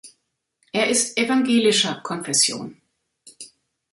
Er ist evangelischer Konfession.